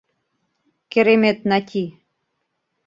— Керемет Нати!